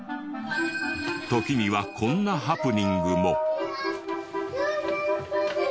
時にはこんなハプニングも。